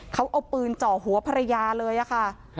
เขาเอาปืนเจาะหัวภรรยาเลยค่ะ